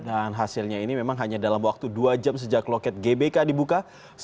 dan hasilnya ini memang hanya dalam waktu dua jam sejak loket gbk dibuka